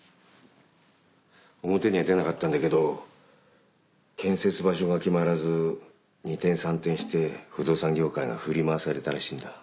表には出なかったんだけど建設場所が決まらず二転三転して不動産業界が振り回されたらしいんだ。